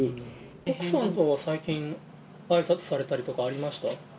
奥さんとは最近、あいさつされたりとかありました？